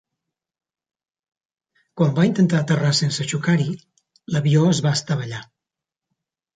Quan va intentar aterrar sense xocar-hi, l'avió es va estavellar.